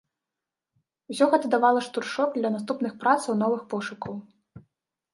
Усё гэта давала штуршок для наступных працаў, новых пошукаў.